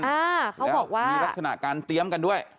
แล้วมีลักษณะการเตรียมกันด้วย